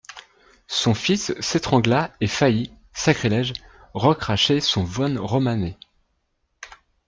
Son fils s’étrangla et faillit, sacrilège, recracher son Vosne-Romanée.